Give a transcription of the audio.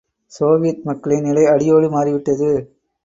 Soviet மக்களின் நிலை அடியோடு மாறி விட்டது.